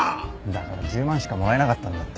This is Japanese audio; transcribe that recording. だから１０万しかもらえなかったんだって。